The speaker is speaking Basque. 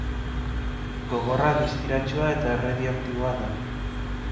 Gogorra, distiratsua eta erradioaktiboa da.